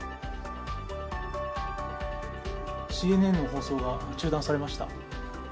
ＣＮＮの放送が中断されました。